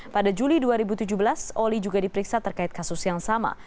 pada juli dua ribu tujuh belas oli juga diperiksa terkait kasus yang sama